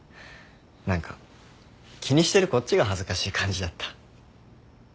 何か気にしてるこっちが恥ずかしい感じだった。